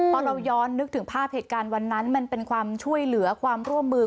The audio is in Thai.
พอเราย้อนนึกถึงภาพเหตุการณ์วันนั้นมันเป็นความช่วยเหลือความร่วมมือ